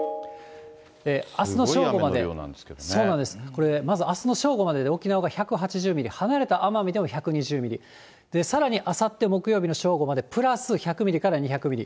あすの正午まで、まずこれ、あすの正午までで沖縄が１８０ミリ、離れた奄美でも１２０ミリ、さらにあさって木曜日の正午までプラス１００ミリから２００ミリ。